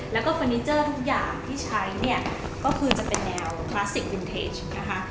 แล้วก็เฟอร์นิเจอร์ทุกอย่างที่ใช้เนี่ยก็คือจะเป็นแนวคลาสสิกวินเทจนะคะ